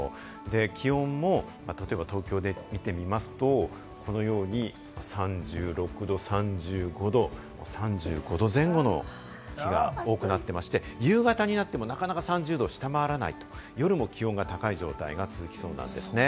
気温も例えば東京で見てみますと、このように３６度、３５度、３５度前後の日が多くなっていまして、夕方になっても、なかなか３０度を下回らないと、夜も気温が高い状態が続きそうなんですね。